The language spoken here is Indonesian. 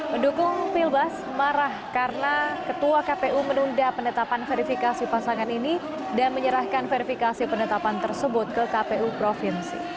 pendukung pilbas marah karena ketua kpu menunda penetapan verifikasi pasangan ini dan menyerahkan verifikasi penetapan tersebut ke kpu provinsi